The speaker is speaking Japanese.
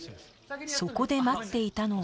そこで待っていたのは